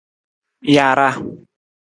Jaaraa.